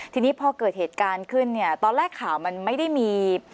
ทีนี้พอเกิดเหตุการณ์ขึ้นเนี่ยตอนแรกข่าวมันไม่ได้มี